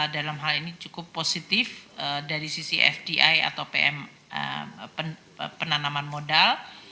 dalam hal ini cukup positif dari sisi fdi atau pm penanaman modal